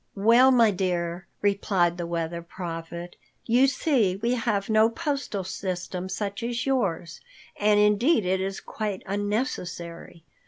"Well, my dear," replied the Weather Prophet, "you see we have no postal system such as yours, and indeed it is quite unnecessary.